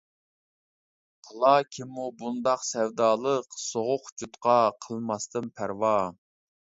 قىلار كىممۇ بۇنداق سەۋدالىق، سوغۇق جۇتقا قىلماستىن پەرۋا.